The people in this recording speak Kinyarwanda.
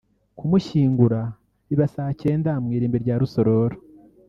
kumushyingura biba saa cyenda mu irimbi rya Rusororo